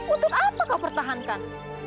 untuk apa kau pertahankan